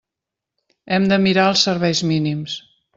Hem de mirar els serveis mínims.